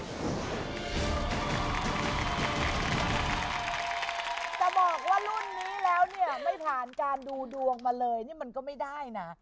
แต่บอกว่ารุ่นนี้แล้วเนี่ยไม่ผ่านการดูดวงมาเลยนี่มันก็ไม่ได้นะ